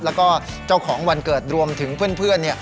แล้วก็เจ้าของวันเกิดรวมถึงเพื่อน